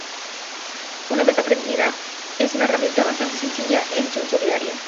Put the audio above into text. Una vez aprendida es una herramienta bastante sencilla en su uso diario: